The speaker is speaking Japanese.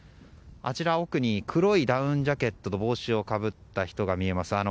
あちら奥に黒いダウンジャケットと帽子をかぶった人がいます。